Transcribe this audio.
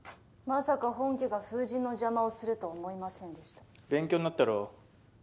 まさか本家が封刃の邪魔をするとは思いませんでした勉強になったろ？